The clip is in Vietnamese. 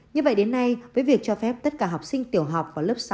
như vậy đến nay với việc cho phép tất cả học sinh tiểu học vào lớp sáu